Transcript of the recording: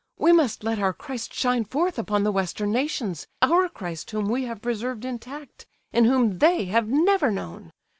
We must let our Christ shine forth upon the Western nations, our Christ whom we have preserved intact, and whom they have never known.